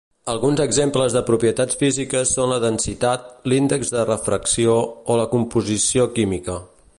Alguns exemples de propietats físiques són la densitat, l'índex de refracció o la composició química.